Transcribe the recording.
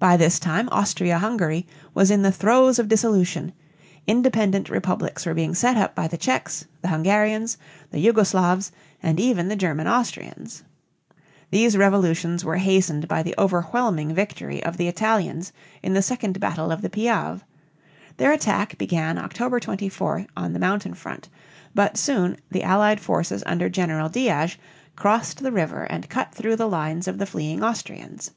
By this time Austria Hungary was in the throes of dissolution; independent republics were being set up by the Czechs, the Hungarians, the Jugo Slavs, and even the German Austrians. These revolutions were hastened by the overwhelming victory of the Italians in the second battle of the Piave. Their attack began October 24 on the mountain front, but soon the Allied forces under General Diaz (dee´ahss) crossed the river and cut through the lines of the fleeing Austrians.